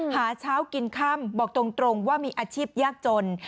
หาเช้ากินค่ำบอกตรงว่ามีอาชีพยากจน